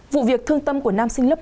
vụ việc thương tâm của nam sinh lớp một